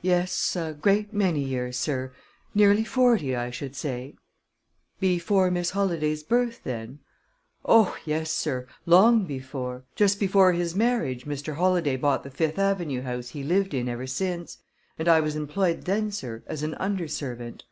"Yes, a great many years, sir nearly forty, I should say." "Before Miss Holladay's birth, then?" "Oh, yes, sir; long before. Just before his marriage, Mr. Holladay bought the Fifth Avenue house he lived in ever since, and I was employed, then, sir, as an under servant."